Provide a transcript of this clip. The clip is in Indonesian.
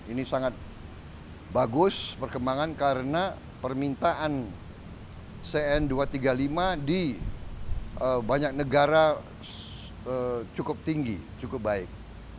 ini sangat bagus perkembangan karena permintaan cn dua ratus tiga puluh lima di banyak negara cukup tinggi cukup baik